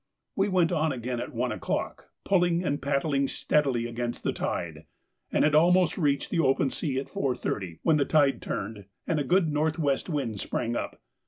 We went on again at one o'clock, pulling and paddling steadily against the tide, and had almost reached the open sea at 4.30, when the tide turned and a good north west wind sprang up.